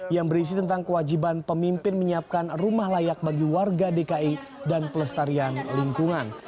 yang berisi tentang kewajiban pemimpin menyiapkan rumah layak bagi warga dki dan pelestarian lingkungan